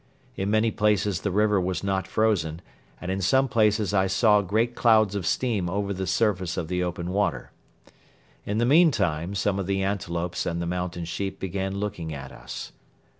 In many places the river was not frozen and in some places I saw great clouds of steam over the surface of the open water. In the meantime some of the antelopes and the mountain sheep began looking at us.